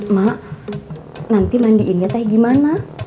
mak nanti mandiinnya teh gimana